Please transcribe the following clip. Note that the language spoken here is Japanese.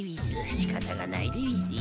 しかたがないでうぃすよ。